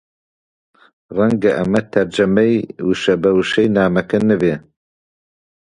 ڕەنگە ئەمە تەرجەمەی وشە بە وشەی نامەکە نەبێ